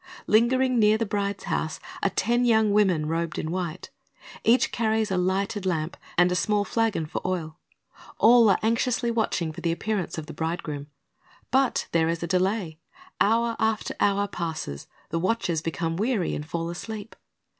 Lingering near the bride's house are ten young women robed in white. Each carries a lighted lamp, and a small flagon for oil. All are anxiously watching for the appearance Based on Matt. 25: 1 13 (4"5) 406 Christ^s Object Lessons of the bridegroom. But there is a delay. Hour after hour passes, the watchers become weary, and fall asleep.